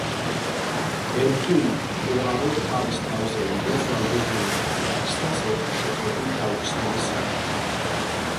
ერკიულ პუარო თავის თავზე იღებს ვალდებულებას გახსნას ერთი შეხედვით გაუხსნელი საქმე.